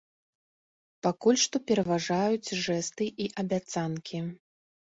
Пакуль што пераважаюць жэсты і абяцанкі.